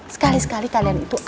sekali sekali kalian itu